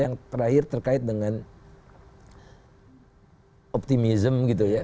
yang terakhir terkait dengan optimism